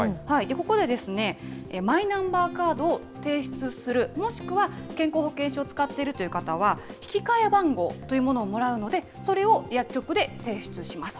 ここでマイナンバーカードを提出する、もしくは健康保険証を使っているという方は、引き換え番号というものをもらうので、それを薬局で提出します。